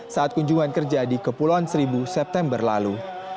saat kunjungan kerja di kepulauan seribu september lalu